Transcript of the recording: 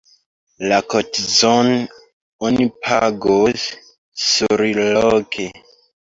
La kotizon oni pagos surloke.